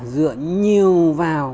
dựa nhiều vào